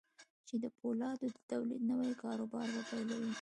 چې د پولادو د توليد نوي کاروبار به پيلوي.